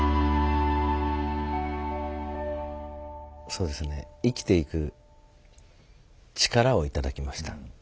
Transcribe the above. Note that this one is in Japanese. そうですね生きていく力を頂きました。